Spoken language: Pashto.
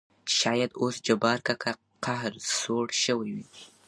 شاېد اوس جبار کاکا قهر سوړ شوى وي.